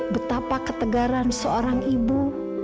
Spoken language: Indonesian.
betapa ketegaran seorang ibu